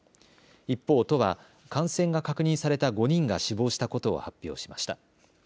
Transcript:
一方、都は感染が確認された５人が死亡したことを発表しました。